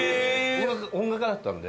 音楽家だったんで。